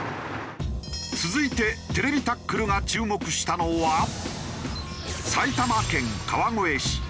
続いて『ＴＶタックル』が注目したのは埼玉県川越市。